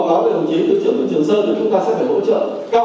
mệt rồi không thể nào được nữa